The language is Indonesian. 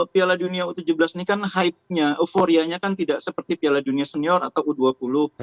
piala dunia u tujuh belas ini kan hype nya euforianya kan tidak seperti piala dunia senior atau u dua puluh